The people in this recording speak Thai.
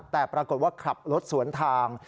แต่ปรากฏว่าขับรถสวนทาง